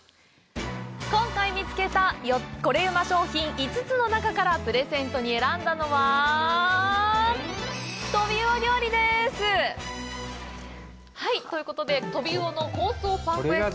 今回見つけたコレうま商品５つの中からプレゼントに選んだのはトビウオ料理です！ということでトビウオの香草パン粉焼き。